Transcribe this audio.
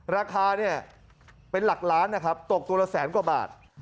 ราคาเนี่ยเป็นหลักล้านนะครับตกตัวละแสนกว่าบาท